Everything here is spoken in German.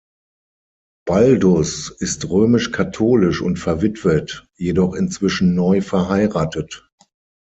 Baldus ist römisch-katholisch und verwitwet, jedoch inzwischen neu verheiratet.